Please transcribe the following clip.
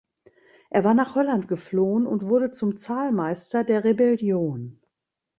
Er war nach Holland geflohen und wurde zum Zahlmeister der Rebellion.